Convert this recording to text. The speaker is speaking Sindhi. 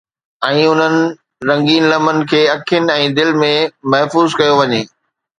۽ انهن رنگين لمحن کي اکين ۽ دل ۾ محفوظ ڪيو وڃي.